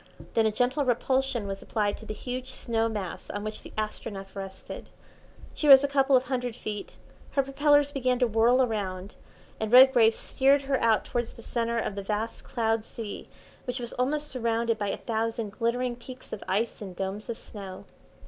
Then a gentle repulsion was applied to the huge snow mass on which the Astronef rested. She rose a couple of hundred feet, her propellers began to whirl round, and Redgrave steered her out towards the centre of the vast cloud sea which was almost surrounded by a thousand glittering peaks of ice and domes of snow.